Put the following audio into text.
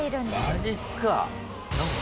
「マジっすか？」